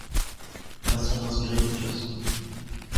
Façon d’inspirer confiance.